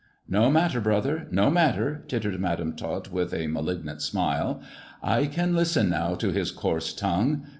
" No matter, brother ; no matter," tittered Madam Tot, with a malignant smile. " I can listen now to his coarse tongue.